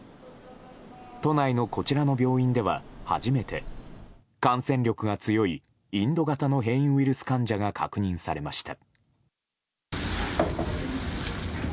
都内のこちらの病院では初めて、感染力が強いインド型の変異ウイルス患者が確認されました。